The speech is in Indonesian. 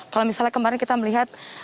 kalau misalnya kemarin kita melihat